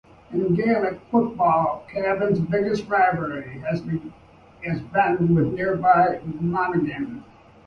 In Gaelic football Cavan's biggest rivalry has been with nearby Monaghan.